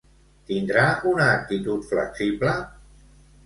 Tindrà una actitud flexible?